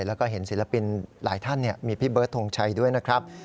แล้วก็เห็นศิลปินหลายท่านมีพี่เบิร์ดทงชัยด้วยนะครับ